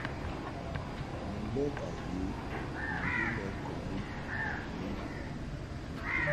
Mun lɛ ka yə mɨŋgwi lɛ ŋkɔŋ i ni nu ndam.